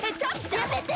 やめて！